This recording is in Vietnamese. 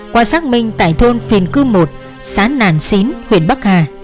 qua xác minh tại thôn phiền cư một xã nàn xín huyện bắc hà